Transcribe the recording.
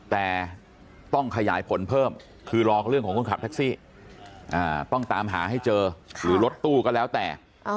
แต่ต้องขยายผลเพิ่มคือรอเรื่องของคนขับแท็กซี่ต้องตามหาให้เจอหรือรถตู้ก็แล้วแต่